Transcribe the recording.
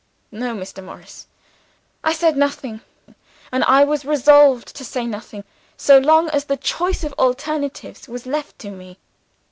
No, Mr. Morris! I said nothing, and I was resolved to say nothing, so long as the choice of alternatives was left to me.